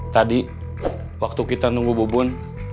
tadi waktu kita nunggu bubun